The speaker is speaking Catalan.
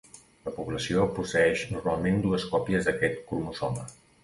La població posseeix normalment dues còpies d'aquest cromosoma.